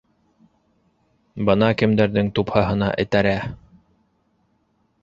Бына кемдәрҙең тупһаһына этәрә!